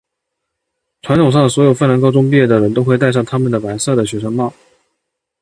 传统上所有芬兰高中毕业的人都会带上他们的白色的学生帽。